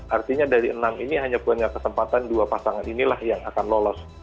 artinya dari enam ini hanya punya kesempatan dua pasangan inilah yang akan lolos